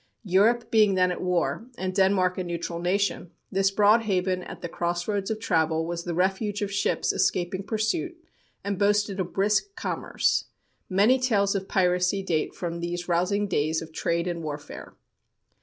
Europe being then at war, and Denmark a neutral nation, this broad haven at the crossroads of travel was the refuge of ships escaping pursuit, and boasted a brisk commerce. Many tales of piracy date from these rousing days of trade and warfare.